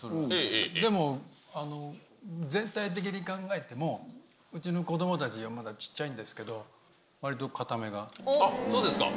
でも全体的に考えても、うちの子どもたち、まだちっちゃいんですけど、そうですか。